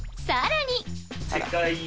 さらに！え？